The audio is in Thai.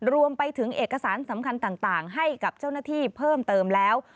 รวมไปถึงเอกสารสำคัญต่างให้กับเจ้าหน้าที่เพิ่มเติมแล้ว